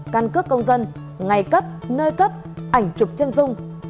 thân cước công dân ngày cấp nơi cấp ảnh trục chân dung